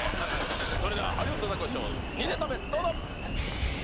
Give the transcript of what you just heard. それではハリウッドザコシショウ２ネタ目どうぞ！